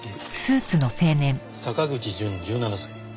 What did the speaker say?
坂口淳１７歳。